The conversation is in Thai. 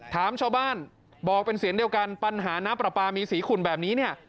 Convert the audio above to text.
ถามชาวบ้านบอกเป็นเสียงเดียวกันปัญหาน้ำปลาปลามีสีขุ่นแบบนี้เนี่ย